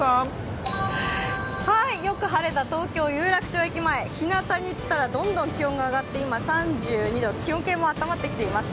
よく晴れた東京・有楽町駅前、ひなたに行ったら、どんどん気温が上がって今３２度、気温計もあったまってきています。